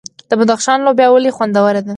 د بدخشان لوبیا ولې خوندوره ده؟